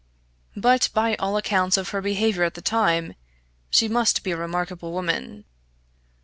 But, by all accounts of her behaviour at the time, she must be a remarkable woman.